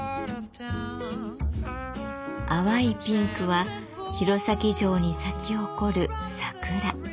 淡いピンクは弘前城に咲き誇る桜。